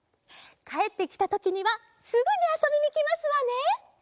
かえってきたときにはすぐにあそびにきますわね。